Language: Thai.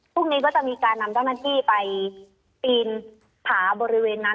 พรุ่งนี้ก็จะมีการนำเจ้าหน้าที่ไปปีนผาบริเวณนั้น